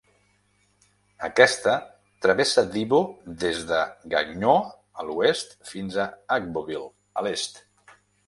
Aquesta travessa Divo des de Gagnoa, a l'oest fins a Agboville, a l'est.